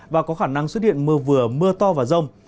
và có khả năng xuất hiện mưa vừa mưa to và rông